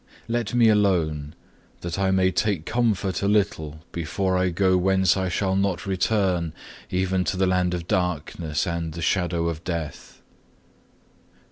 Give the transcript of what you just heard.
Let me alone, that I may take comfort a little before I go whence I shall not return even to the land of darkness and the shadow of death.